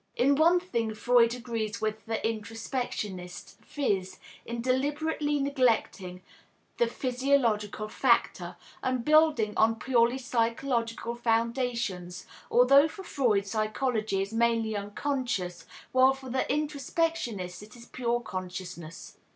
In one thing Freud agrees with the introspectionists, viz., in deliberately neglecting the "physiological factor" and building on purely psychological foundations, although for Freud psychology is mainly unconscious, while for the introspectionists it is pure consciousness.